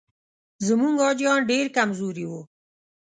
زموږ حاجیان ډېر کمزوري وو.